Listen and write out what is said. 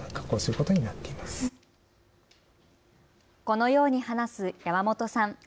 このように話す山本さん。